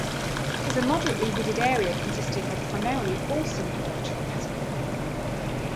It is a moderately wooded area consisting of primarily balsam fir trees.